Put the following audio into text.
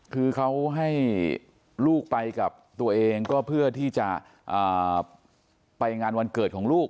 คือเขาให้ลูกไปกับตัวเองก็เพื่อที่จะไปงานวันเกิดของลูก